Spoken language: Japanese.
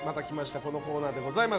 このコーナーでございます。